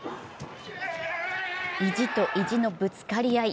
意地と意地のぶつかり合い。